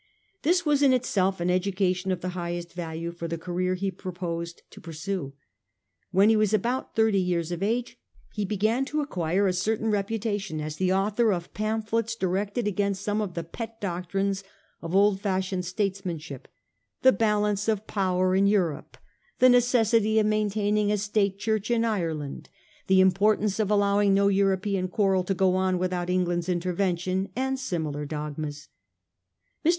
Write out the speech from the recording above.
This was in itself an education of the highest value for the career he proposed to pursue. When he was about thirty years of age he began to acquire a certain reputation as the author of pamphlets di rected against some of the pet doctrines of old fashioned statesmanship ; the balance of power in 1841 6 . COBDEN'S ORATORY. 339 Europe ; the necessity of maintaining a State Church in Ireland ; the importance of allowing no European quarrel to go on without England's intervention ; and similar dogmas. Mr.